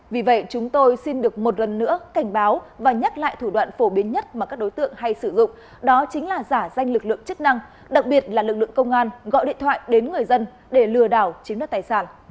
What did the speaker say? vì vậy chúng tôi xin được một lần nữa cảnh báo và nhắc lại thủ đoạn phổ biến nhất mà các đối tượng hay sử dụng đó chính là giả danh lực lượng chức năng đặc biệt là lực lượng công an gọi điện thoại đến người dân để lừa đảo chiếm đất tài sản